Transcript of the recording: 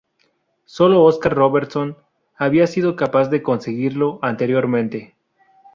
Solo Oscar Robertson había sido capaz de conseguirlo anteriormente.